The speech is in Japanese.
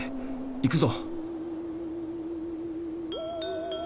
行くぞ！